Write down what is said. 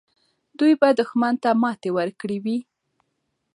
دوی به دښمن ته ماتې ورکړې وي.